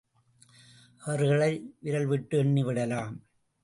அவர்களை விரல்விட்டு எண்ணிவிடலாம்.